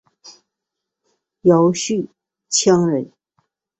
姚绪羌人。